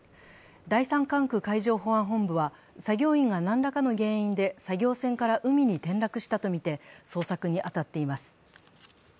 第三管区海上保安本部は、作業員が何らかの原因で作業船から海に転落したとみて捜索に当たっています。